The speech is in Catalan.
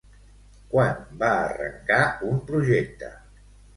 Quan va arrencar un projecte?